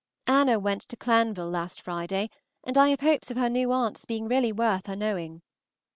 Anna went to Clanville last Friday, and I have hopes of her new aunt's being really worth her knowing.